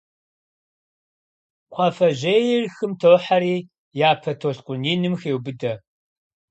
Кхъуафэжьейр хым тохьэри, япэ толъкъун иным хеубыдэ.